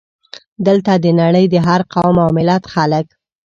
دلته د نړۍ د هر قوم او ملت خلک.